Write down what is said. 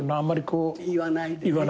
言わないでね。